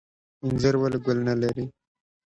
انځر ولې ګل نلري؟